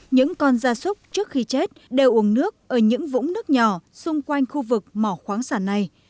những con gia súc trước khi chết đều uống nước ở những vũng nước nhỏ xung quanh khu vực mỏ khoáng sản này